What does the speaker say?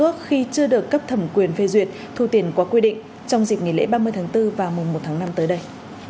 trước khi chưa được cấp thẩm quyền phê duyệt thu tiền qua quy định trong dịp nghỉ lễ ba mươi tháng bốn và mùa một tháng năm tới đây